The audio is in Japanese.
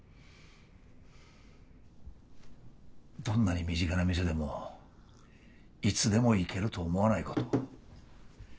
どんなに身近な店でもいつでも行けると思わないこと。